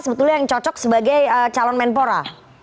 sebetulnya yang cocok sebagai calon menpora